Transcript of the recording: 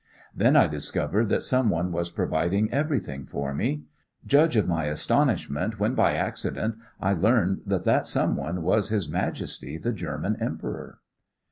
Then I discovered that some one was providing everything for me. Judge of my astonishment when by accident I learned that that some one was His Majesty the German Emperor."